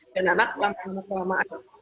dan anak lama lama kebawa